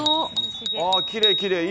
あっ、きれい、きれい。